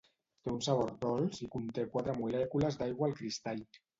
Té un sabor dolç i conté quatre molècules d'aigua al cristall.